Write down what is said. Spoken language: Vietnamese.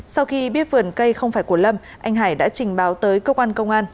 sau khi biết vườn cây không phải của lâm anh hải đã trình báo tới cơ quan công an